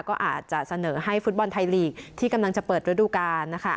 ก็อาจจะเสนอให้ฟุตบอลไทยลีกที่กำลังจะเปิดฤดูกาลนะคะ